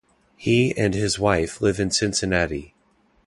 He and his wife live in Cincinnati.